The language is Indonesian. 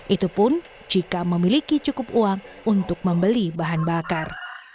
itu pun jika memiliki cukup uang untuk membeli bahan bakar